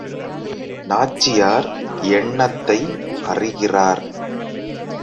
நாச்சியார் எண்ணத்தை அறிகிறார்.